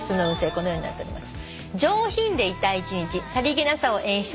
このようになっております。